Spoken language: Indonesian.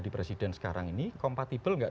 di presiden sekarang ini kompatibel nggak